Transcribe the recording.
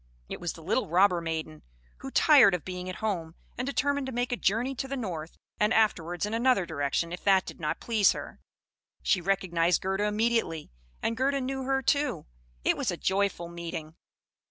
It was the little robber maiden, who, tired of being at home, had determined to make a journey to the north; and afterwards in another direction, if that did not please her. She recognised Gerda immediately, and Gerda knew her too. It was a joyful meeting.